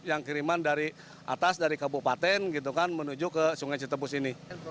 yang kiriman dari atas dari kabupaten gitu kan menuju ke sungai citebus ini